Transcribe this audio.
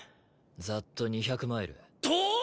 ざっと２００マイル遠っ！